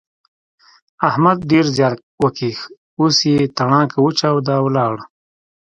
احمد ډېر زیار وکيښ اوس يې تڼاکه وچاوده او ولاړ.